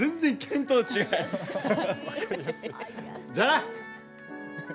じゃあな！